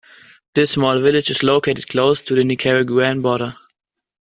This small village is located close to the Nicaraguan border.